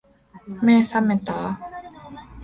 目、さめた？